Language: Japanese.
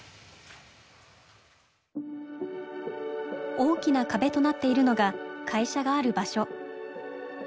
大きな壁となっているのが会社がある場所。